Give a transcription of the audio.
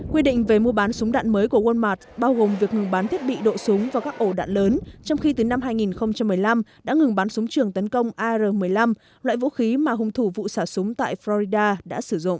quy định về mua bán súng đạn mới của walmart bao gồm việc ngừng bán thiết bị độ súng và các ổ đạn lớn trong khi từ năm hai nghìn một mươi năm đã ngừng bắn súng trường tấn công ar một mươi năm loại vũ khí mà hung thủ vụ xả súng tại florida đã sử dụng